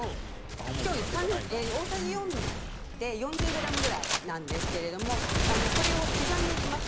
大さじ４で４０ｇぐらいなんですけれどもこれを刻んでいきます。